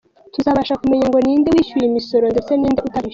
Tuzabasha kumenya ngo ninde wishyuye imisoro ndetse n’inde utarishyuye.